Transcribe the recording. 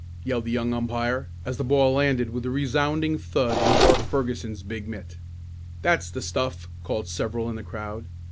yelled the young umpire, as the ball landed with a resounding thud in Bart Ferguson's big mitt. "That's the stuff!" called several in the crowd.